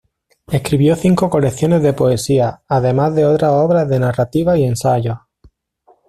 Escribió cinco colecciones de poesías, además de otras obras de narrativa y ensayos.